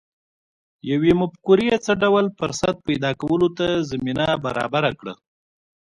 یوې مفکورې څه ډول فرصت پیدا کولو ته زمینه برابره کړه